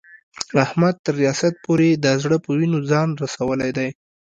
احمد تر ریاست پورې د زړه په وینو ځان رسولی دی.